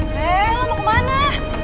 hei lu mau kemana